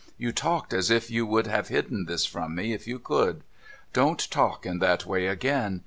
You talked as if you would have hidden this from me, if you could. Don't talk in that way again.